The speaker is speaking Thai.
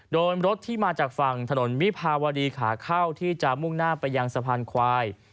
รถที่มาจากฝั่งถนนวิภาวดีขาเข้าที่จะมุ่งหน้าไปยังสะพานควาย